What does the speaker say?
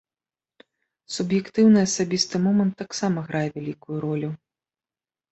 Суб'ектыўны асабісты момант таксама грае вялікую ролю.